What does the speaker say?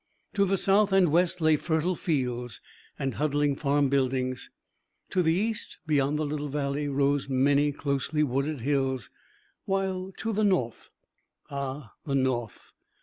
To the south and west lay fertile fields and huddling farm buildings; to the east, beyond the little valley, rose many closely wooded hills; while to the north, ah, the north!